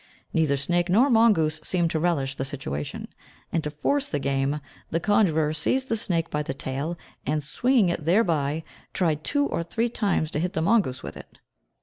Neither snake nor mongoose seemed to relish the situation, and to force the game the conjurer seized the snake by the tail, and, swinging it thereby, tried, two or three times, to hit the mongoose with it.